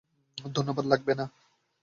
ধন্যবাদ, লাগবে না।